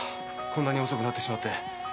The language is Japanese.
こんなに遅くなってしまって。